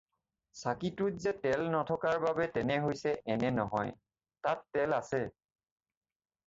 চাকিটোত যে তেল নথকা বাবে তেনে হৈছে এনে নহয়, তাত তেল আছে।